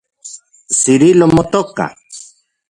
¿Cirilo motoka?